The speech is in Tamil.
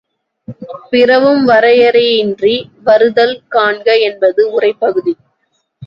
பிறவும் வரையறையின்றி வருதல் காண்க என்பது உரைப்பகுதி.